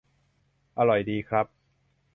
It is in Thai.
- อร่อยดีครับ